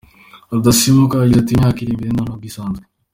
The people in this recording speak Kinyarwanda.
Rudatsimburwa yagize ati “Imyaka iri imbere ntabwo isanzwe.